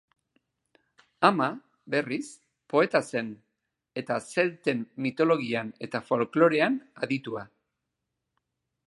Ama, berriz, poeta zen, eta zelten mitologian eta folklorean aditua.